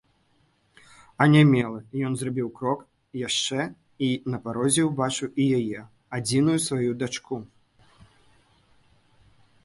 Анямелы, ён зрабіў крок яшчэ і на парозе ўбачыў і яе, адзіную сваю дачку.